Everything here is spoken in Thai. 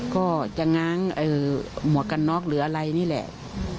ก็จะง้างหมวกกันน็อกหรืออะไรนี่แหละ